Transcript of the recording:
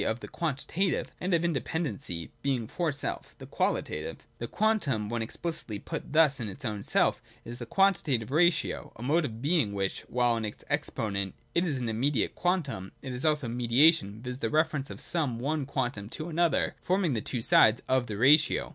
e. the quantitative, and of independency (Being for self), — the qualitative. The Quantum when explicitly put thus in its own self, is the Quantitative Eatio, a mode of being which, while, in its Exponent, it is an immediate quantum, is also mediation, viz. the reference of some one quantum to another, forming the two sides of the ratio.